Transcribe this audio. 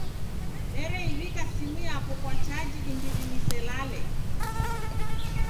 Nereiw'ika simu yapo kwa chaji imbiri niselale.